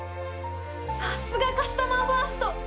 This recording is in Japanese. さすがカスタマーファースト！